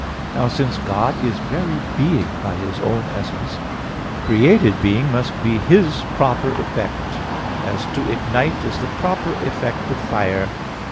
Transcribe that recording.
Now since God is very being by His own essence, created being must be His proper effect; as to ignite is the proper effect of fire.